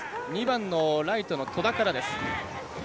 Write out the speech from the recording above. ２番のライトの戸田からです。